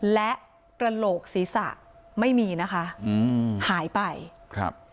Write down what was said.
และกระโหลกศีรษะไม่มีนะคะอืมหายไปครับ